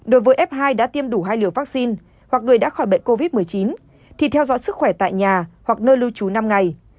đối với f hai đã tiêm đủ hai liều vaccine hoặc người đã khỏi bệnh covid một mươi chín thì theo dõi sức khỏe tại nhà hoặc nơi lưu trú năm ngày